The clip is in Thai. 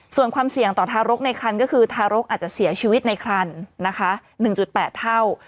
ส่วนความเสี่ยงต่อทารกในคันก็คือทารกอาจจะเสียชีวิตในครันนะคะ๑๘เท่า